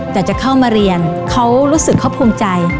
แต่จะเข้ามาเรียนเขารู้สึกเขาภูมิใจ